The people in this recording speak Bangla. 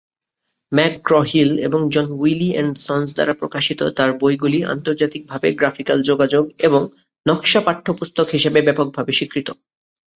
ম্যাকগ্র-হিল এবং জন উইলি অ্যান্ড সন্স দ্বারা প্রকাশিত তার বইগুলি আন্তর্জাতিকভাবে গ্রাফিকাল যোগাযোগ এবং নকশা পাঠ্যপুস্তক হিসাবে ব্যাপকভাবে স্বীকৃত।